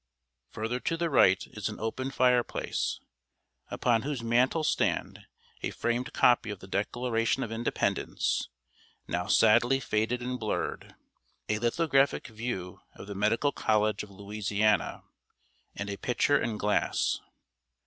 Further to the right is an open fire place, upon whose mantel stand a framed copy of the Declaration of Independence, now sadly faded and blurred, a lithographic view of the Medical College of Louisiana, and a pitcher and glass.